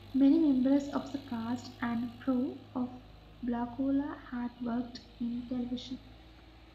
Many members of the cast and crew of "Blacula" had worked in television.